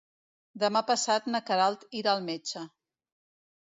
Demà passat na Queralt irà al metge.